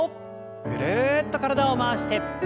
ぐるっと体を回して。